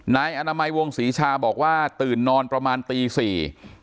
นายอนามัยวงศรีชาบอกว่าตื่นนอนประมาณตีสี่